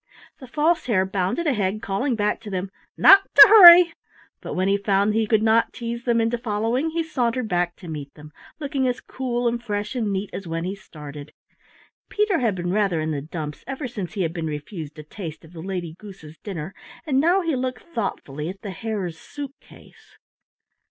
The False Hare bounded ahead, calling back to them "Not to hurry", but when he found he could not tease them into following, he sauntered back to meet them, looking as cool and fresh and neat as when he started. Peter had been rather in the dumps ever since he had been refused a taste of the Lady Goose's dinner, and now he looked thoughtfully at the Hare's suit case.